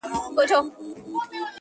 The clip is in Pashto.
اوړی تېر سو لا غنم مو نه پخېږي,